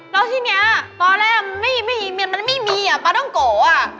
แล้วที่เนี้ยตอนแรกมันไม่มีมันไม่มีอะปลาต้องโก๋อะ